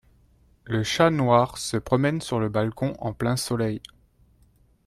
Le chat noir se promène sur le balcon en plein soleil